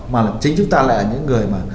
mà chính chúng ta lại là những người mà